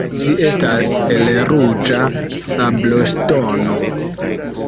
Ĝi estas el ruĝa sabloŝtono.